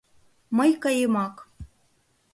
Мый каемак.